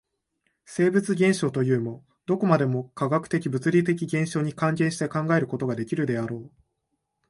生物現象というも、どこまでも化学的物理的現象に還元して考えることができるであろう。